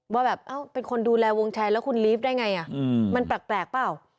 ว่าแบบเอ้าเป็นคนดูแลวงแชร์แล้วคุณลีฟได้ไงมันแปลกเปล่า